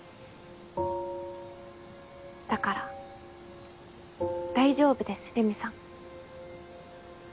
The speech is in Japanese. だから大丈夫ですレミさん。